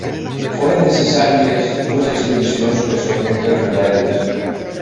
Foren necessàries dues expedicions per sotmetre als rebels.